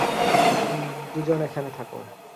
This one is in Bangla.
দুজন এখানে থাকো।